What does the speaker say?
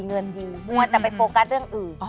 เงินดิวมัวแต่ไปโฟกัสเรื่องอื่น